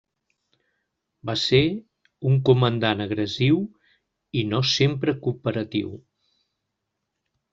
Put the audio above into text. Va ser un comandant agressiu i no sempre cooperatiu.